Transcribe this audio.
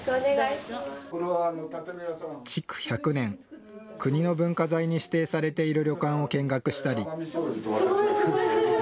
築１００年、国の文化財に指定されている旅館を見学したり。